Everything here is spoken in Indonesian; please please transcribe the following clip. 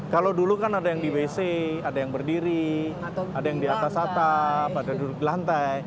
kalau dulu kan ada yang di wc ada yang berdiri ada yang di atas atap ada yang duduk di lantai